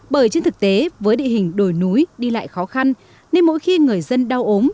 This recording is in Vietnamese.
bởi trên thực tế với địa hình đồi núi đi lại khó khăn nên mỗi khi người dân đau ốm